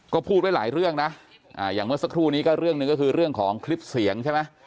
ก็พูดไว้หลายเรื่องนะอย่างเมื่อสักครู่นี้ก็เรื่องหนึ่งก็คือเรื่องของคลิปเสียงใช่ไหม